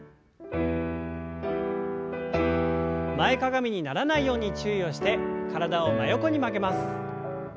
前かがみにならないように注意をして体を真横に曲げます。